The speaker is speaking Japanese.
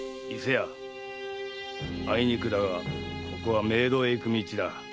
伊勢屋あいにくだがここは冥土へ行く道だ。